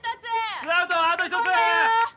ツーアウトあと１つ！